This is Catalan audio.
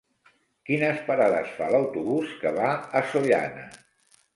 Quines parades fa l'autobús que va a Sollana?